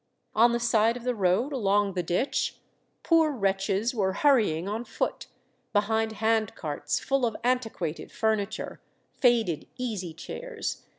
On the side of the road, along the ditch, poor wretches were hurry ing on foot, behind handcarts full of antiquated furni ture, faded easy chairs.